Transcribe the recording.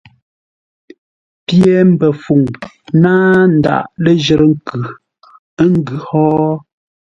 Pye mbəfuŋ náa ndǎghʼ ləjərə́ nkʉ, ə́ ngʉ̌ hó?